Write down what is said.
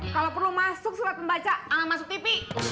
kalau perlu masuk surat membaca jangan masuk tv